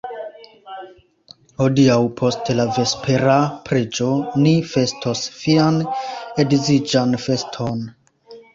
Hodiaŭ post la vespera preĝo ni festos vian edziĝan feston!